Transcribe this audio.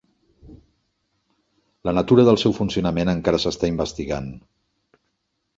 La natura del seu funcionament encara s'està investigant.